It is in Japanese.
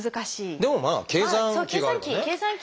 でもまあ計算機があればね。